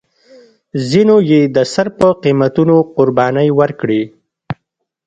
ځینو یې د سر په قیمتونو قربانۍ ورکړې.